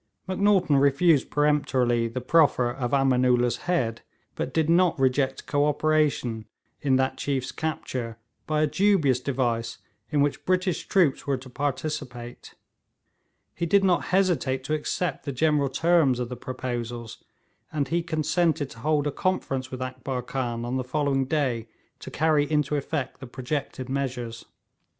Macnaghten refused peremptorily the proffer of Ameenoolla's head, but did not reject co operation in that chiefs capture by a dubious device in which British troops were to participate; he did not hesitate to accept the general terms of the proposals; and he consented to hold a conference with Akbar Khan on the following day to carry into effect the projected measures.